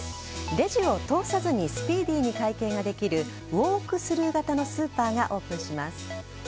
レジを通さずにスピーディーに会計ができるウォークスルー型のスーパーがオープンします。